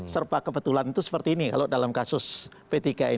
serba kebetulan itu seperti ini kalau dalam kasus p tiga ini